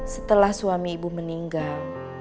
setelah suami ibu meninggal